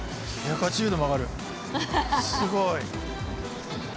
すごい。